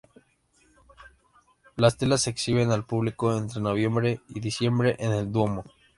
Las telas se exhiben al público entre noviembre y diciembre en el Duomo.